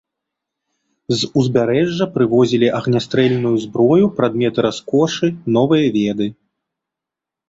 З узбярэжжа прывозілі агнястрэльную зброю, прадметы раскошы, новыя веды.